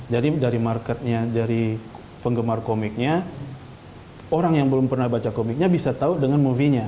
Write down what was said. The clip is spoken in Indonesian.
jadi dari marketnya dari penggemar komiknya orang yang belum pernah baca komiknya bisa terkenal